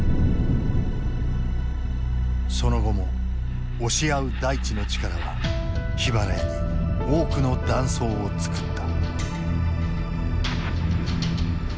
その後も押し合う大地の力はヒマラヤに多くの断層を作った。